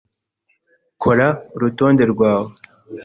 Kora urutonde rwawe